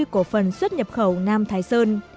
của phần xuất nhập khẩu nam thái sơn